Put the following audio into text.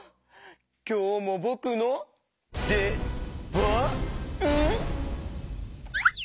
きょうもぼくのでばん？